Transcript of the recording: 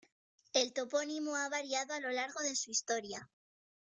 El topónimo ha variado a lo largo de su historia.